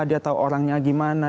dia tahu orangnya gimana